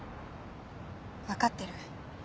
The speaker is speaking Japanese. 分かってる。